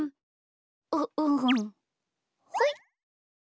ううん。ほい。